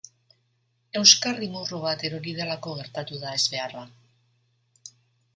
Euskarri murru bat erori delako gertatu da ezbeharra.